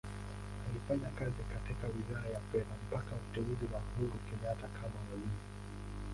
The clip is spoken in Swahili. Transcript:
Alifanya kazi katika Wizara ya Fedha mpaka uteuzi wa Uhuru Kenyatta kama Waziri.